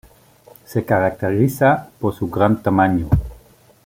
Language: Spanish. Se caracteriza por su gran tamaño.